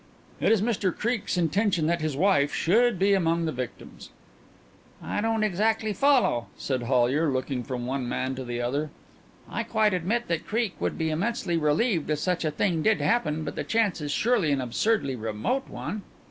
"It is Mr Creake's intention that his wife should be among the victims." "I don't exactly follow," said Hollyer, looking from one man to the other. "I quite admit that Creake would be immensely relieved if such a thing did happen, but the chance is surely an absurdly remote one."